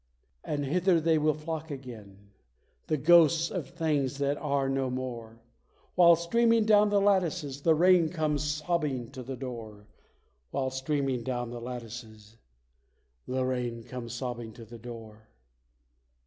And hither they will flock again, the ghosts of things that are no more, While, streaming down the lattices, the rain comes sobbing to the door: While, streaming down the lattices, The rain comes sobbing to the door.